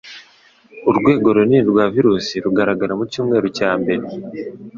Urwego runini rwa virusi rugaragara mucyumweru cya mbere